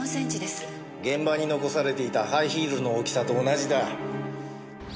現場に残されていたハイヒールの大きさと同じだ。